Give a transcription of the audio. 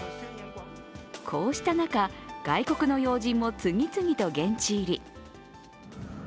こうした中、外国の要人も次々と現地入り。